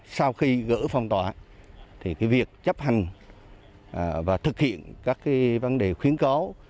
sau khi gỡ phòng tỏa việc chấp hành và thực hiện các vấn đề khuyến cáo